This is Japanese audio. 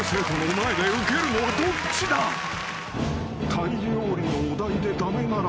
［タイ料理のお題で駄目なら］